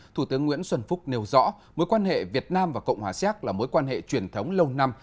thủ tướng nguyễn xuân phúc nêu rõ mối quan hệ việt nam và cộng hòa xéc là mối quan hệ truyền thống lâu năm